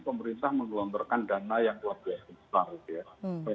pemerintah menggelombarkan dana yang keluarga yang kebesar